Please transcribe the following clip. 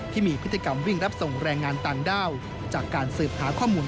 ที่มีพฤติกรรมวิ่งรับส่งแรงงานต่างด้าวจากการสืบหาข้อมูล